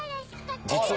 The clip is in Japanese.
実は。